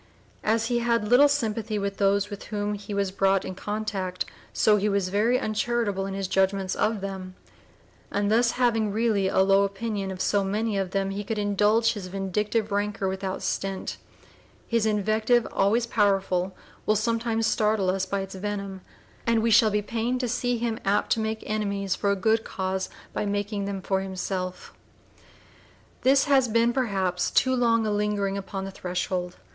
As he had little sympathy with those with whom he was brought in contact, so he was very uncharitable in his judgment of them; and thus having really a low opinion of so many of them he could indulge his vindictive rancor without stint; his invective, always powerful, will sometimes startle us by its venom, and we shall be pained to see him apt to make enemies for a good cause by making them for himself. This has been, perhaps, too long a lingering upon the threshold.